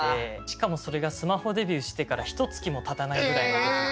しかもそれがスマホデビューしてからひとつきもたたないぐらいの時で。